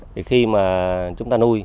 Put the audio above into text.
thì khi mà chúng ta nuôi